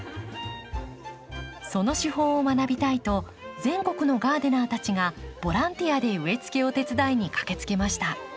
その手法を学びたいと全国のガーデナーたちがボランティアで植えつけを手伝いに駆けつけました。